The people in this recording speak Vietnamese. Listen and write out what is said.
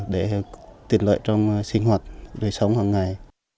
để tiền lợi trong sinh hoạt đời sống hằng ngày